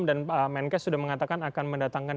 dan menkes sudah mengatakan akan mendatangkan